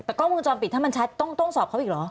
แต่กล้องวงจรปิดถ้ามันชัดต้องสอบเขาอีกเหรอ